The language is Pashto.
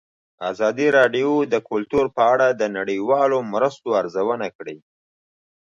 ازادي راډیو د کلتور په اړه د نړیوالو مرستو ارزونه کړې.